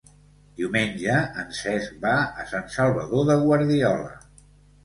Diumenge en Cesc va a Sant Salvador de Guardiola.